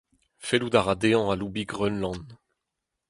Fellout a ra dezhañ aloubiñ Greunland.